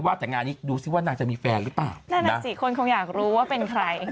ว่าแต่งานนี้ดูสิว่านางจะมีแฟนหรือเปล่านั่นอ่ะสิคนคงอยากรู้ว่าเป็นใคร